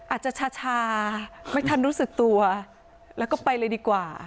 อาจจะชาไม่ทันรู้สึกตัวแล้วก็ไปเลยดีกว่า